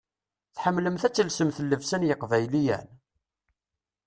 Tḥemmlemt ad telsemt llebsa n yeqbayliyen?